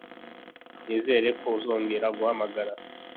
Nizere ko uzongera guhamagara.